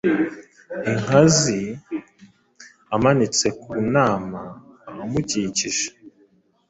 inkazi amanitse ku nama; amukikije,